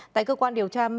tại cơ quan điều tra